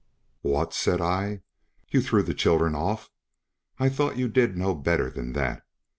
"What?" said I, "you threw the children off? I thought you did know better than that!